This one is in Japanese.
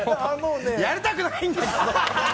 やりたくないんだよ！